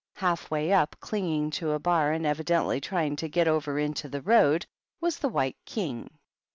Half way up, clinging to a bar and evidently trying to get over into the road, was the White King.